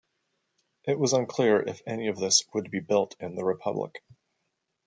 It was unclear if any of this would be built in the Republic.